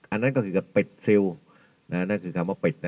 อันนั้นก็คือเป็ดซิลน่ะนั่นคือคำว่าเป็ดน่ะ